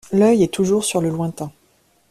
L’œil est toujours sur le lointain.